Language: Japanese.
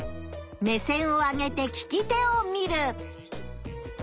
目線を上げて聞き手を見る。